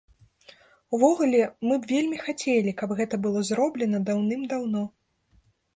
Увогуле, мы б вельмі хацелі, каб гэта было зроблена даўным-даўно.